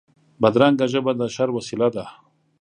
بدرنګه ژبه د شر وسیله ده